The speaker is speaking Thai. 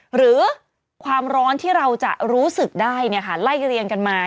หรือความร้อนที่เราจะรู้สึกได้ไล่เรียงกันมา